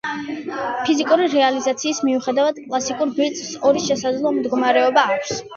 ფიზიკური რეალიზაციის მიუხედავად კლასიკურ ბიტს ორი შესაძლო მდგომარეობა აქვს.